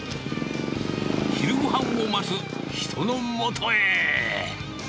昼ごはんを待つ人のもとへ。